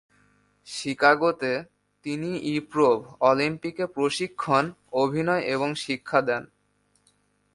শিকাগোতে, তিনি ইপ্রোভ অলিম্পিকে প্রশিক্ষণ, অভিনয় এবং শিক্ষা দেন।